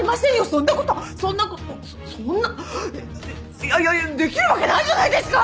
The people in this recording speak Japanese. そんなことそんなことそんないやいやいやできるわけないじゃないですか！